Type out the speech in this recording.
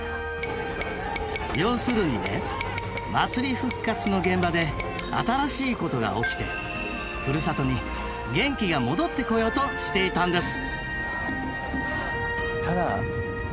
要するにね祭り復活の現場で新しいことが起きてふるさとに元気が戻ってこようとしていたんです！